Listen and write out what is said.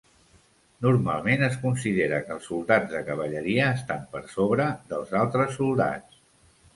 Normalment es considera que els soldats de cavalleria estan per sobre dels altres soldats.